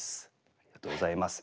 ありがとうございます。